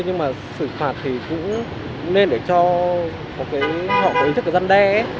nhưng mà xử phạt thì cũng nên để cho họ có ý thức dân đe